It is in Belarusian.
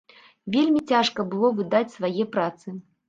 Вельмі цяжка было выдаць свае працы.